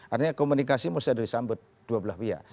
artinya komunikasi mesti ada di sambut dua belas pihak